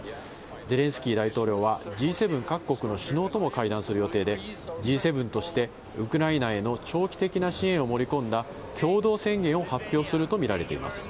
ゼレンスキー大統領は、Ｇ７各国の首脳とも会談する予定で、Ｇ７としてウクライナへの長期的な支援を盛り込んだ共同宣言を発表すると見られています。